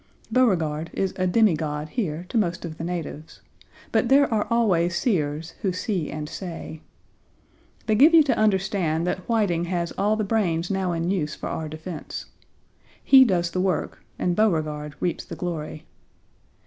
Beauregard is a demigod here to most of the natives, but there are always seers who see and say. They give you to understand that Whiting has all the brains now in use for our defense. He does the work and Beauregard reaps the glory.